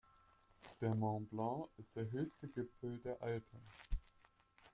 Der Mont Blanc ist der höchste Gipfel der Alpen.